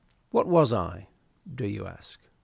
What was I, do you ask?